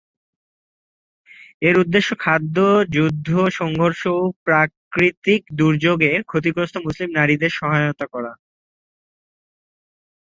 এর উদ্দেশ্য খাদ্য সংকট, যুদ্ধ, সংঘর্ষ ও প্রাকৃতিক দুর্যোগে ক্ষতিগ্রস্ত মুসলিম নারীদের সহায়তা করা।